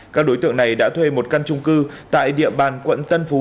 các đối tượng này đã thuê một căn trung cư tại địa bàn quận tân phú